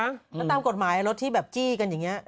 ตามกฎหมายรถที่แบบจี้กันอย่างเงี้ย